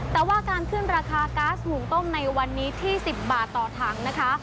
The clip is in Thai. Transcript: แต่ว่าการขึ้นราคาก๊าซหุ่งต้มในวันนี้ที่๑๐บาทต่อถังนะคะ